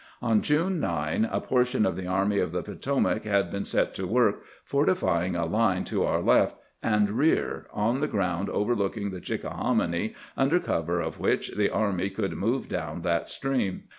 On June 9 a portion of the Army of the Potomac had been set to work fortifying a line to our left and rear on ground overlooking the Chickahominy, under cover of which the army could move down that stream.